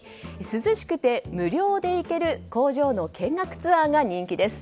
涼しくて無料で行ける工場の見学ツアーが人気です。